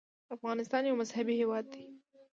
افغانستان یو مذهبي هېواد دی.